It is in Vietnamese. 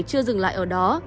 chưa dừng lại ở đó